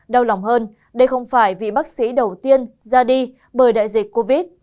đau lòng hơn đây không phải vì bác sĩ đầu tiên ra đi bởi đại dịch covid